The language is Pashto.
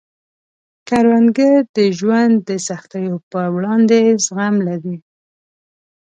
کروندګر د ژوند د سختیو په وړاندې زغم لري